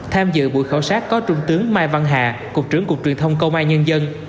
tham dự buổi khảo sát có trung tướng mai văn hà cục trưởng cục truyền thông công an nhân dân